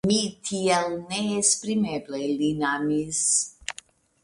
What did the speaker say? Mi tiel neesprimeble lin amis!